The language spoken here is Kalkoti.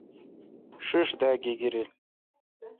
ݭݭ دا گیگیر۔